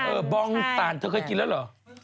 บองตานเธอเคยกินแล้วเหรอ